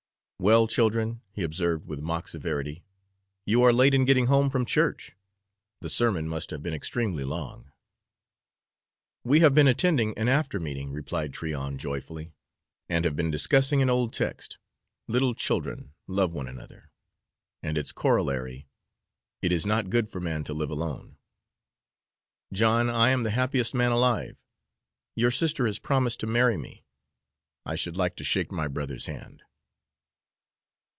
"Well, children," he observed with mock severity, "you are late in getting home from church. The sermon must have been extremely long." "We have been attending an after meeting," replied Tryon joyfully, "and have been discussing an old text, 'Little children, love one another,' and its corollary, 'It is not good for man to live alone.' John, I am the happiest man alive. Your sister has promised to marry me. I should like to shake my brother's hand."